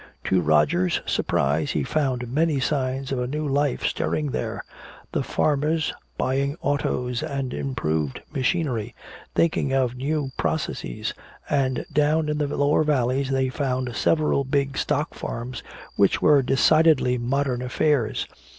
To Roger's surprise he found many signs of a new life stirring there the farmers buying "autos" and improved machinery, thinking of new processes; and down in the lower valleys they found several big stock farms which were decidedly modern affairs.